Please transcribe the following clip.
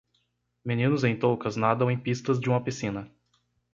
Meninos em toucas nadam em pistas de uma piscina.